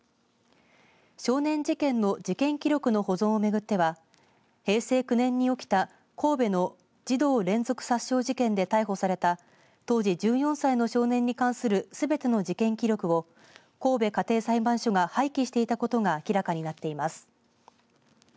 少年事件の事件記録の保存を巡っては平成９年に起きた神戸の児童連続殺傷事件で逮捕された当時１４歳の少年に関するすべての事件記録を神戸家庭裁判所が廃棄していたことが明らかになっています。